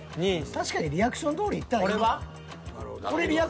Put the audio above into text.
確かにリアクションどおりにいったら。